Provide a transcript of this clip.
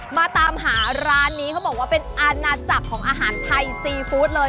มาตามหาร้านนี้เขาบอกว่าเป็นอาณาจักรของอาหารไทยซีฟู้ดเลย